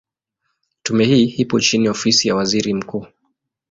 Tume hii ipo chini ya Ofisi ya Waziri Mkuu.